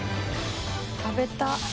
食べたっ。